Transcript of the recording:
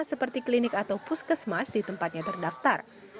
seperti klinik atau puskesmas di tempatnya terdaftar